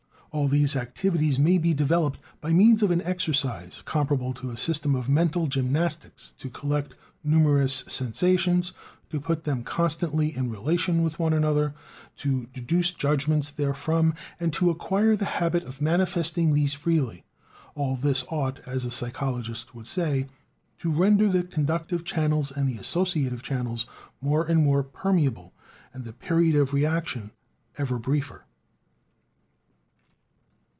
All these activities may be developed by means of an exercise comparable to a system of mental "gymnastics" to collect numerous sensations, to put them constantly in relation one with another, to deduce judgments therefrom, to acquire the habit of manifesting these freely, all this ought, as the psychologists would say, to render the conductive channels and the associative channels more and more permeable, and the "period of reaction" ever briefer.